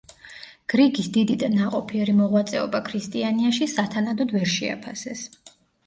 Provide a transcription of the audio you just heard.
გრიგის დიდი და ნაყოფიერი მოღვაწეობა ქრისტიანიაში სათანადოდ ვერ შეაფასეს.